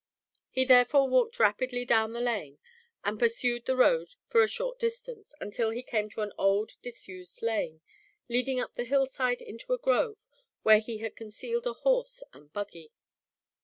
He therefore walked rapidly down the lane and pursued the road for a short distance until he came to an old, disused lane, leading up the hillside into a grove where he had concealed a horse and buggy.